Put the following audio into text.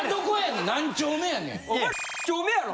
丁目やろ？